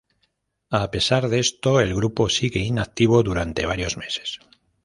A pesar de esto el grupo sigue inactivo durante varios meses.